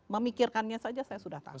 memikirkannya saja saya sudah tahu